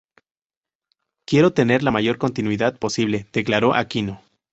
Quiero tener la mayor continuidad posible", declaró Aquino.